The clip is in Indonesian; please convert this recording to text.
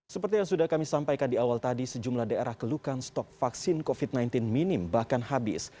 seperti yang sudah kami sampaikan di awal tadi sejumlah daerah kelukan stok vaksin covid sembilan belas minim bahkan habis